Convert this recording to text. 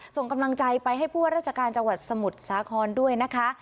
ส่งกำลังใจไปให้ผู้ว่าราชการจังหวัดสมุทรสาครด้วยนะคะ